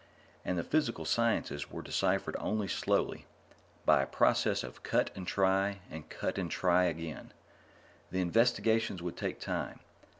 And the physical sciences were deciphered only slowly, by a process of cut and try and cut and try again. The investigations would take time.